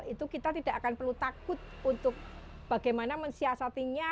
itu kita tidak akan perlu takut untuk bagaimana mensiasatinya